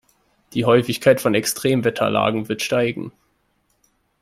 Die Häufigkeit von Extremwetterlagen wird steigen.